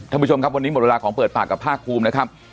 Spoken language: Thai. ท่านผู้ชมครับวันนี้หมดเวลาของเปิดปากกับภาคภูมินะครับ